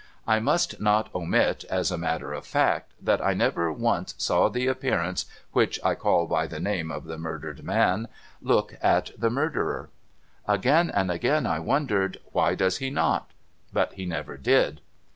I must not omit, as a matter of fact, that I never once saw the Appearance which I call by the name of tlie murdered man look at the Murderer, Again and again I wondered, ' Why does he not ?' But he never did.